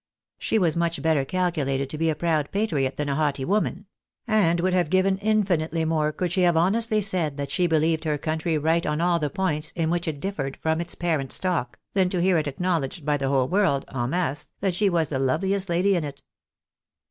She was much better calculated to be a proud patriot than a haughty woman ; and would have given infinitely more, could she have honestly said that she believed her country right on all the points in which it differed from its parent stock, than to hear it acknowledged by the ■whole world, en rfiasse, that she was the loveliest lady in it.